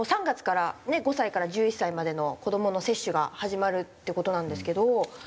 ３月から５歳から１１歳までの子どもの接種が始まるっていう事なんですけど。